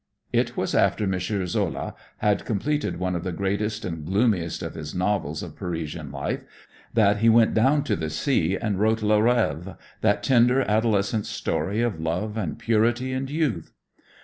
It was after M. Zola had completed one of the greatest and gloomiest of his novels of Parisian life, that he went down by the sea and wrote "La Reve," that tender, adolescent story of love and purity and youth.